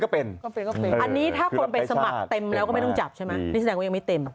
อันนี้ถ้าคนไปสมัครเต็มแล้วก็ไม่ต้องจับใช่ไหมนี่แสดงว่ายังไม่เต็ม